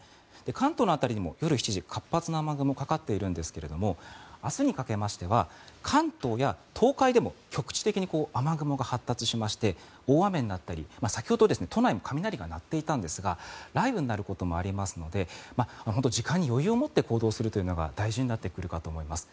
関東の辺りでも夜７時活発な雨雲がかかっているんですが明日にかけましては関東や東海でも局地的に雨雲が発達しまして大雨になったり、先ほども都内で雷が鳴っていたんですが雷雨になることもありますので本当に時間に余裕を持って行動するというのが大事になってくるかと思います。